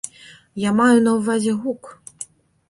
Я маю на ўвазе гук.